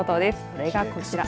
それが、こちら。